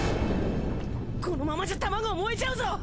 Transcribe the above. このままじゃ卵が燃えちゃうぞ！